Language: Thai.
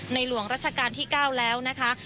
หลวงรัชกาลที่๙แล้วนะคะ